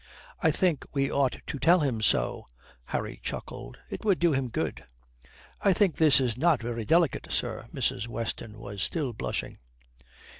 "I think we ought to tell him so." Harry chuckled. "It would do him good." "I think this is not very delicate, sir." Mrs. Weston was still blushing.